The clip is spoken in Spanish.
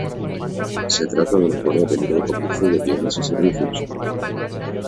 Se trata de un acuerdo de libre comercio de bienes y servicios.